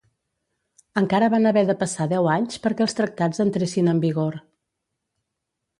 Encara van haver de passar deu anys perquè els tractats entressin en vigor.